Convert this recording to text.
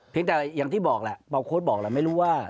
แต่อย่างที่บอกแหละเบาโค้ดบอกแหละไม่รู้ว่า